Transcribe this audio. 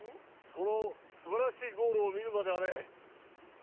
そのすばらしいゴールを見るまではね。